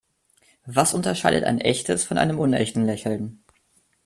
Was unterscheidet ein echtes von einem unechten Lächeln?